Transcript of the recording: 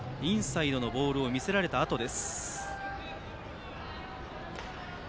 インサイドのボールを見せられたあとです。